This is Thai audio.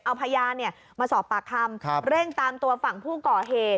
เอาพยานมาสอบปากคำเร่งตามตัวฝั่งผู้ก่อเหตุ